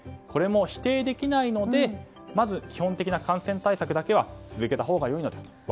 これも否定できないのでまず、基本的な感染対策だけは続けたほうが良いのだと。